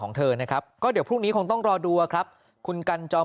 ของเธอนะครับก็เดี๋ยวพรุ่งนี้คงต้องรอดูครับคุณกันจอม